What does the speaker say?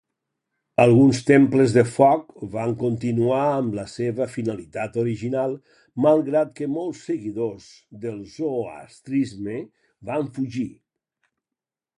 Alguns temples de foc van continuar amb la seva finalitat original malgrat que molts seguidors del zoroastrisme van fugir.